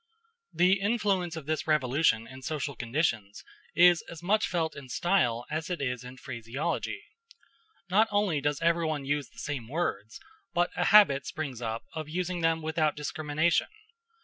The influence of this revolution in social conditions is as much felt in style as it is in phraseology. Not only does everyone use the same words, but a habit springs up of using them without discrimination.